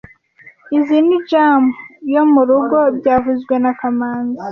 Izoi ni jam yo murugo byavuzwe na kamanzi